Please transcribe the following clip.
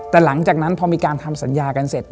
แต่หลังจากนั้นพอมีการทำสัญญากันเสร็จ